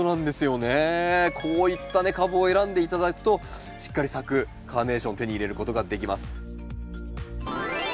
こういった株を選んで頂くとしっかり咲くカーネーションを手に入れることができます。